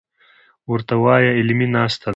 ورته وايه علمي ناسته ده.